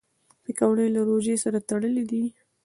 پکورې له روژې سره تړلي دي